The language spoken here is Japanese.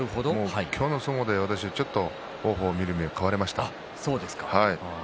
今日の相撲で私、ちょっと王鵬の見る目が変わりました。